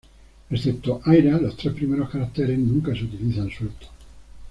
Excepto "aira", los tres primeros caracteres nunca se utilizan sueltos.